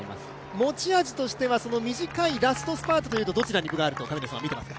持ち味としては短いラストスパートというとどちらに分があると見ていますか。